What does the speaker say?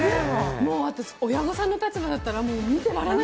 もう親御さんの立場だったら、見てられない。